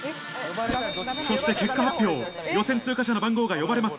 そして結果発表予選通過者の番号が呼ばれます